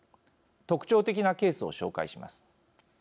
特徴的なケースを紹介します。